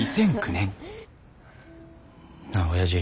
なあおやじ。